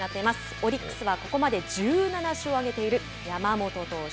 オリックスはここまで１７勝を挙げている山本投手。